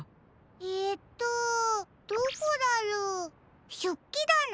えとどこだろう？しょっきだな？